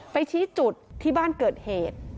ชี้จุดที่บ้านเกิดเหตุ